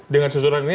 dengan susunan ini